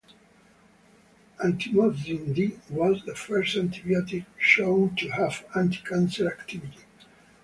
Actinomycin D was the first antibiotic shown to have anti-cancer activity.